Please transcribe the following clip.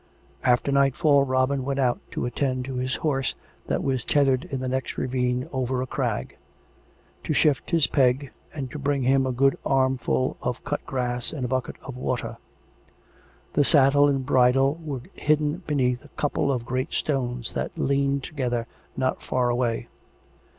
After nightfall Robin went out to attend to his horse that was tethered in the next ravine, over a crag; to shift his peg and bring him a good armful of cut grass and a bucket of water. (The saddle and bridle were hidden be neath a couple of great stones that leaned together not far away.)